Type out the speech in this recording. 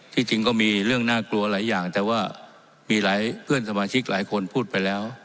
จริงก็มีเรื่องน่ากลัวหลายอย่างแต่ว่ามีหลายเพื่อนสมาชิกหลายคนพูดไปแล้ว